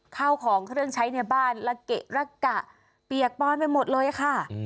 ข้าวของเครื่องใช้ในบ้านละเกะระกะเปียกปอนไปหมดเลยค่ะ